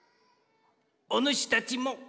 おぬしたちも！